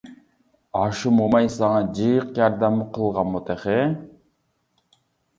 -ئاشۇ موماي ساڭا جىق ياردەممۇ قىلغانمۇ تېخى؟ !